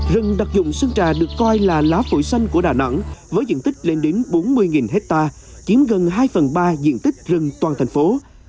rừng đặc dụng sơn trà được coi là lá phổi xanh của đà nẵng với diện tích lên đến bốn mươi hectare chiếm gần hai phần ba diện tích rừng toàn thành phố